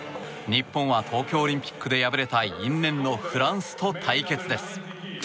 日本は東京オリンピックで敗れた因縁のフランスと対決です。